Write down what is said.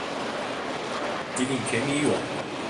Dilin kemiği yok.